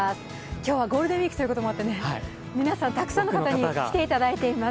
今日はゴールデンウイークということもあって皆さん、たくさんの方に来ていただいています。